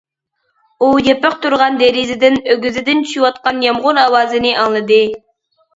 ئۇ يېپىق تۇرغان دېرىزىدىن ئۆگزىدىن چۈشۈۋاتقان يامغۇر ئاۋازىنى ئاڭلىدى.